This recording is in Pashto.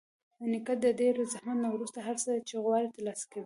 نیکه د ډېر زحمت نه وروسته هر څه چې غواړي ترلاسه کوي.